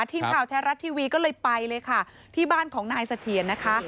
ทีมข่าวแท้รัฐทีวีก็เลยไปเลยค่ะที่บ้านของนายเสถียรนะคะ